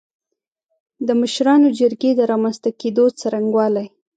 د مشرانو جرګې د رامنځ ته کېدو څرنګوالی